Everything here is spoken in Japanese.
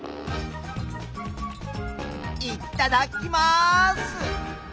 いっただっきます！